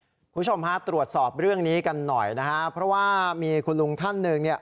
คุณผู้ชมฮะตรวจสอบเรื่องนี้กันหน่อยนะฮะเพราะว่ามีคุณลุงท่านหนึ่งเนี่ย